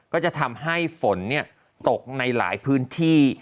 ก็จะทำให้ฝนตกในหลายพื้นที่